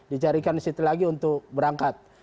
dicarikan situ lagi untuk berangkat